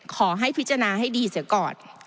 ขอให้พิจารณาให้ดีเสียก่อน